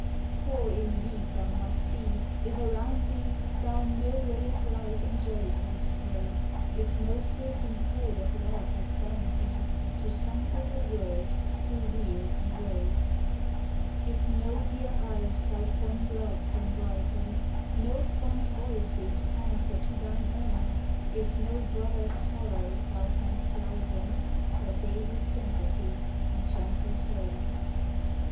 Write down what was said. Poor indeed thou must be, if around thee Thou no ray of light and joy canst throw, If no silken cord of love hath bound thee To some little world through weal and woe; If no dear eyes thy fond love can brighten, No fond voices answer to thine own; If no brother's sorrow thou canst lighten By daily sympathy and gentle tone.